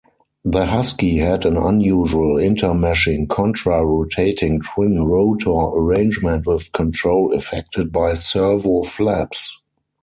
The Huskie had an unusual intermeshing contra-rotating twin-rotor arrangement with control effected by servo-flaps.